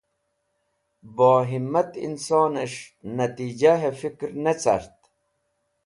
Bo Himmat Insones̃h Natijahe Fkr ne cart